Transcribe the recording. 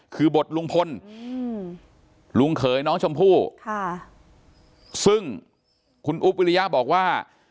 คือบทลุงพลลุงเขยน้องชมพู่ค่ะซึ่งคุณอุ๊บวิริยะบอกว่า